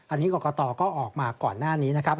อันนี้กรกตก็ออกมาก่อนหน้านี้นะครับ